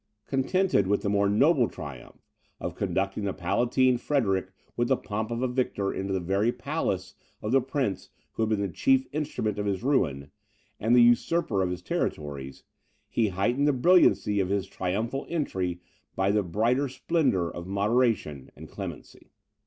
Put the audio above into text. Contented with the more noble triumph of conducting the Palatine Frederick with the pomp of a victor into the very palace of the prince who had been the chief instrument of his ruin, and the usurper of his territories, he heightened the brilliancy of his triumphal entry by the brighter splendour of moderation and clemency.